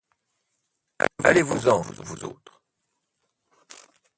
Allez-vous-en vous autres.